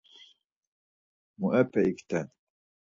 Muepe ikten?